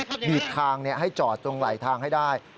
บีบทางให้จอดตรงไหลทางให้ได้